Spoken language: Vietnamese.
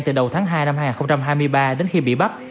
từ đầu tháng hai năm hai nghìn hai mươi ba đến khi bị bắt